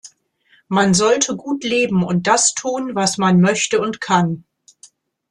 Man sollte gut leben und das tun, was man möchte und kann.